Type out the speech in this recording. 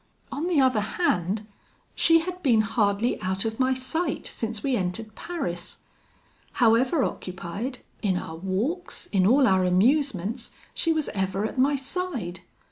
"On the other hand, she had been hardly out of my sight since we entered Paris. However occupied, in our walks, in all our amusements, she was ever at my side.